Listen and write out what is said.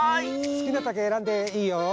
すきなたけえらんでいいよ。